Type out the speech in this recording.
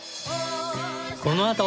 このあと。